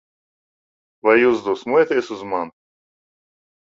Vai jūs dusmojaties uz mani?